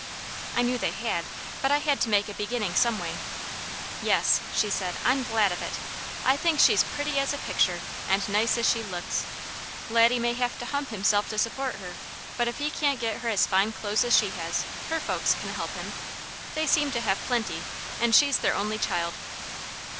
I knew they had, but I had to make a beginning some way. "Yes," she said. "I'm glad of it! I think she's pretty as a picture, and nice as she looks. Laddie may have to hump himself to support her, but if he can't get her as fine clothes as she has, her folks can help him. They seem to have plenty, and she's their only child."